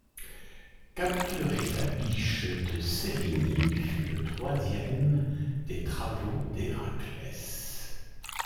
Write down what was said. Capturer la biche deCérynie fut le troisième des travaux d'Héraclès.